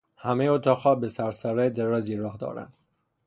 همهی اتاقها به سر سرای درازی راه دارند.